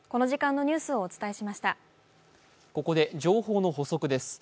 ここで情報の補足です。